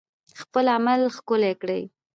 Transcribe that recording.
خپل عمل ښکلی کړئ